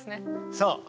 そう。